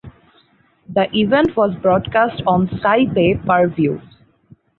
The event was broadcast on Sky Pay per view.